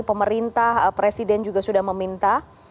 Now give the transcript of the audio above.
pemerintah presiden juga sudah meminta